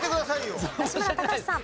吉村崇さん。